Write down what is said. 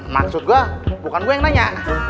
maksud gua bukan gua yang nanya